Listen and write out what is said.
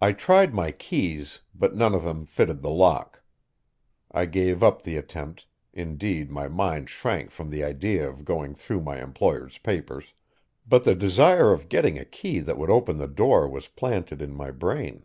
I tried my keys, but none of them fitted the lock. I gave up the attempt indeed, my mind shrank from the idea of going through my employer's papers but the desire of getting a key that would open the door was planted in my brain.